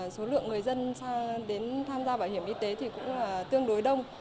số lượng người dân tham gia bảo hiểm y tế cũng tương đối đông